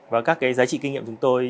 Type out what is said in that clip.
và các giá trị kinh nghiệm chúng tôi